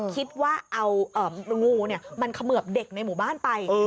คิดว่าเอางูมันเขมือบเด็กในหมู่บ้านไป